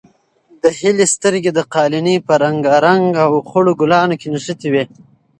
د هیلې سترګې د قالینې په رنګارنګ او خړو ګلانو کې نښتې وې.